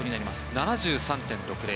７３．６０。